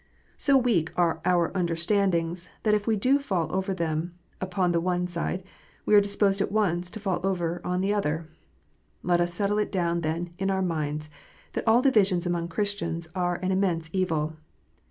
So weak are our understandings, that if we do not fall over upon the one side, we are disposed at once to fall over on the other. Let us settle it down then in our minds that all divisions among Chris tians are an immense evil.